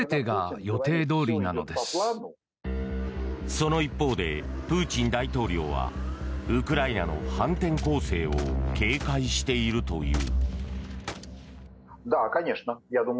その一方で、プーチン大統領はウクライナの反転攻勢を警戒しているという。